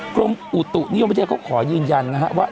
กรมอุตุนิยมประเทศเขาขอยืนยันนะฮะว่า